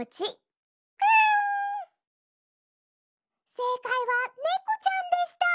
せいかいはねこちゃんでした！